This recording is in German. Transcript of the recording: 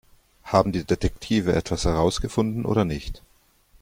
Haben die Detektive etwas herausgefunden oder nicht?